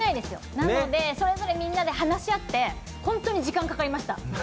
なので、それぞれみんなで話し合って本当に時間がかかりました。